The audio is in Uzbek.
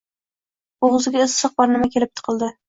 Bo`g`ziga issiq bir nima kelib tiqildi